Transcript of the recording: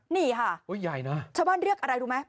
นี่ค่ะชาวบ้านเรียกอะไรรู้ไหม